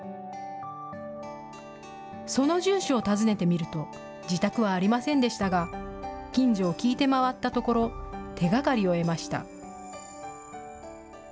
その住所を訪ねてみると自宅はありませんでしたが近所を聞いて回ったところ手がかりを得ました。